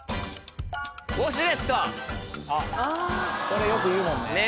それよく言うもんね。